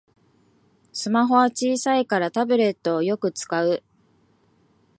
スマホは小さいからタブレットをよく使う